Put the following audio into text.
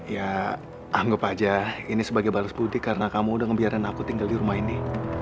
ya anggap aja ini sebagai balas putih karena kamu udah ngebiarin aku tinggal di rumah ini